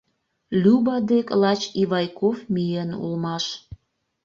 Люба дек лач Ивайков миен улмаш.